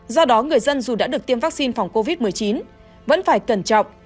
do đó người dân dù đã được tiêm vaccine phòng covid một mươi chín vẫn phải cẩn trọng